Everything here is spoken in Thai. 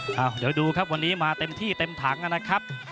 เดี๋ยวดูครับวันนี้มาเต็มที่เต็มถังนะครับ